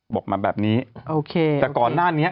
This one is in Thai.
บอกมาแบบนี้โอเคแต่ก่อนหน้านี้